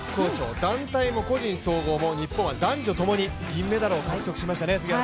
団体も個人総合も日本は男女ともに銀メダルを獲得しましたね。